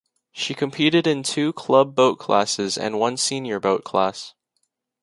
She competed in two club boat classes and one senior boat class.